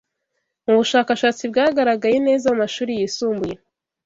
Mu bushakashatsi byagaragaye neza mu amashuri yisumbuye